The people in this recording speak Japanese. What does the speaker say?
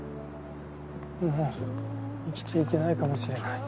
もう生きていけないかもしれない。